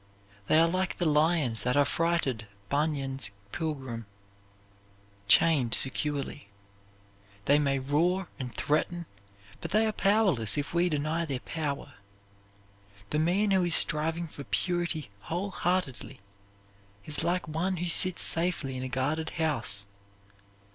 They are like the lions that affrighted Bunyan's pilgrim chained securely. They may roar and threaten, but they are powerless if we deny their power. The man who is striving for purity whole heartedly is like one who sits safely in a guarded house.